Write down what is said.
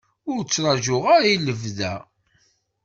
Ur ttṛaǧuɣ ara i lebda.